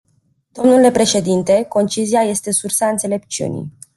Dle președinte, concizia este sursa înțelepciunii.